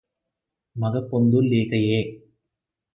మగ పొందు లేకయే